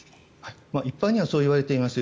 一般にはそういわれています。